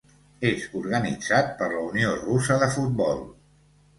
És organitzat per la Unió Russa de Futbol.